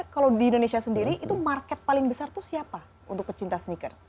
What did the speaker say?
kalau di indonesia sendiri itu market paling besar itu siapa untuk pecinta sneakers